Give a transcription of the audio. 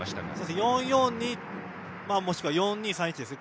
４−４−２、もしくは４−２−３−１ですね。